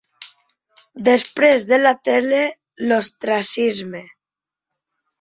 Després de la tele, l'ostracisme.